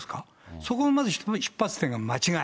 そこがまず出発点が間違い。